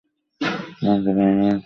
মানুষ আপনাকে নিয়ে এতো আলোচনা করছে।